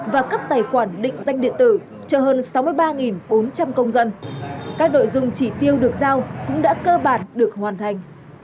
và cấp tài khoản định danh điện tử cho hơn sáu mươi ba bốn trăm linh công dân các nội dung chỉ tiêu được giao cũng đã cơ bản được hoàn thành